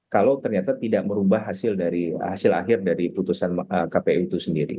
kalau ternyata tidak merubah hasil akhir dari keputusan kpu itu sendiri